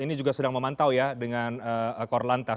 ini juga sedang memantau ya dengan kor lantas